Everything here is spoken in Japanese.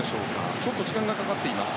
ちょっと時間がかかっています。